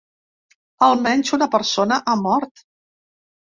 Almenys una persona ha mort.